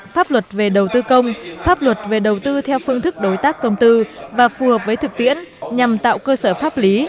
pháp luật về đầu tư công pháp luật về đầu tư theo phương thức đối tác công tư và phù hợp với thực tiễn nhằm tạo cơ sở pháp lý